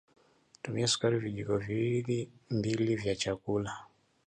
tumia sukari vijiko viwili mbili vya chakula